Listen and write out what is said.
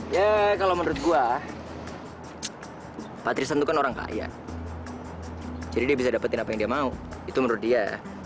ya kalau menurut gue patrisan itu kan orang kaya jadi dia bisa dapetin apa yang dia mau itu menurut dia